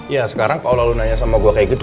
ya sekarang kalau lo nanya sama gue kayak gitu